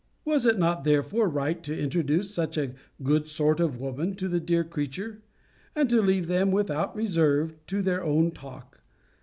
Was it not therefore right to introduce such a good sort of woman to the dear creature; and to leave them, without reserve, to their own talk!